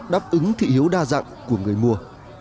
đáp ứng thị hiếu đa dạng của người mua